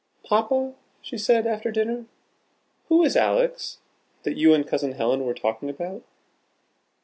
"Papa," she said, after dinner, "who is Alex, that you and Cousin Helen were talking about?"